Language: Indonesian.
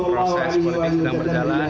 proses politik sedang berjalan